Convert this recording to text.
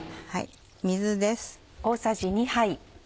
水です。